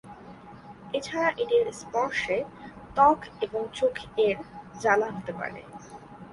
এছাড়া এটির স্পর্শে ত্বক এবং চোখ এর জ্বালা হতে পারে।